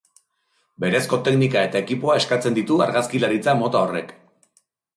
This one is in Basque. Berezko teknika eta ekipoa eskatzen ditu argazkilaritza-mota horrek.